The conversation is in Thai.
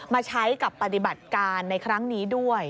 มาใช้กับปฏิบัติการในครั้งนี้ด้วย